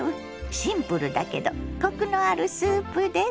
シンプルだけどコクのあるスープです。